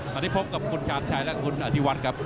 ตอนนี้พบกับคุณชาญชัยและคุณอธิวัฒน์ครับ